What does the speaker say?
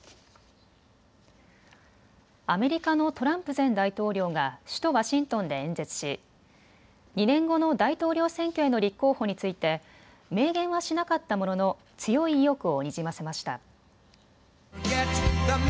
アメリカのトランプ前大統領が首都ワシントンで演説し２年後の大統領選挙への立候補について明言はしなかったものの強い意欲をにじませました。